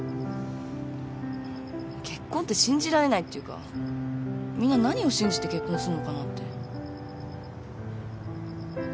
結婚って信じられないっていうかみんな何を信じて結婚すんのかなって。